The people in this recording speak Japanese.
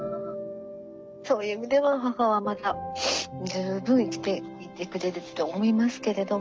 そういう意味では母はまだ十分生きていてくれるって思いますけれども。